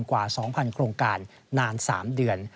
กว่า๒๐๐โครงการนาน๓เดือน